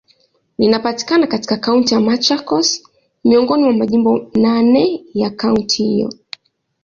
Linapatikana katika Kaunti ya Machakos, miongoni mwa majimbo naneya kaunti hiyo.